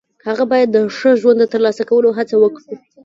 هغه باید د ښه ژوند د ترلاسه کولو هڅه وکړي.